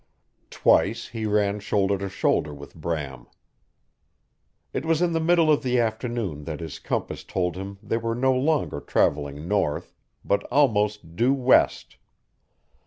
Twice he ran shoulder to shoulder with Bram. It was in the middle of the afternoon that his compass told him they were no longer traveling north but almost due west.